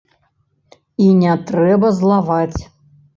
І не трэба злаваць.